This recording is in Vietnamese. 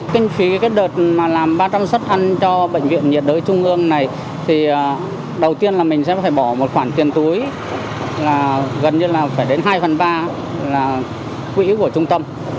kinh phí cái đợt mà làm ba trăm linh xuất ăn cho bệnh viện nhiệt đới trung ương này thì đầu tiên là mình sẽ có thể bỏ một khoản tiền túi là gần như là phải đến hai phần ba là quỹ của trung tâm